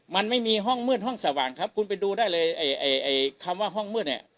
มันไม่มีห้องมืดห้องสว่างครับคุณไปดูได้เลยไอ้คำว่าห้องมืดเนี่ย